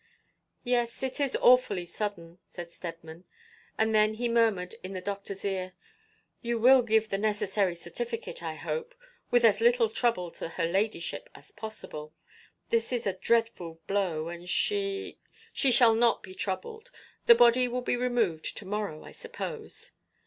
'Yes, it is awfully sudden,' said Steadman, and then he murmured in the doctor's ear, 'You will give the necessary certificate, I hope, with as little trouble to her ladyship as possible. This is a dreadful blow, and she ' 'She shall not be troubled. The body will be removed to morrow, I suppose.'